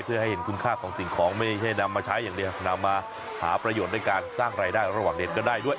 เพื่อให้เห็นคุณค่าของสิ่งของไม่ใช่นำมาใช้อย่างเดียวนำมาหาประโยชน์ในการสร้างรายได้ระหว่างเด็กก็ได้ด้วย